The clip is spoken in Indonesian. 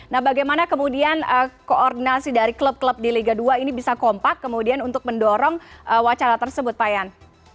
nah bagaimana kemudian koordinasi dari klub klub di liga dua ini bisa kompak kemudian untuk mendorong wacana tersebut pak yan